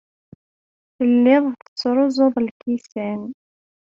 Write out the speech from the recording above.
Telliḍ tettruẓuḍ lkisan.